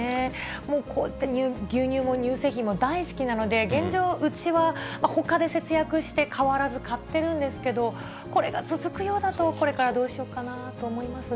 こうやって、牛乳も乳製品も大好きなので、現状、うちはほかで節約して変わらず買ってるんですけど、これが続くようだと、これからどうしようかなと思いますね。